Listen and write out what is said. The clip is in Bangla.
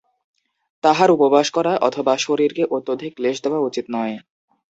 তাঁহার উপবাস করা অথবা শরীরকে অত্যধিক ক্লেশ দেওয়া উচিত নয়।